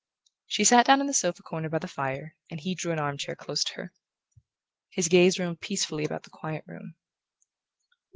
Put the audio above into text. She sat down in the sofa corner by the fire and he drew an armchair close to her. His gaze roamed peacefully about the quiet room.